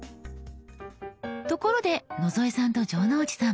ところで野添さんと城之内さん